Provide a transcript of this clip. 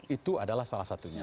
itu adalah salah satunya